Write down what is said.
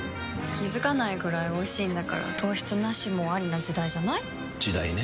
気付かないくらいおいしいんだから糖質ナシもアリな時代じゃない？時代ね。